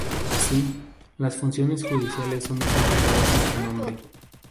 Así, las funciones judiciales son ejecutadas en su nombre.